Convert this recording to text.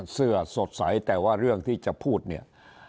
สดใสแต่ว่าเรื่องที่จะพูดเนี่ย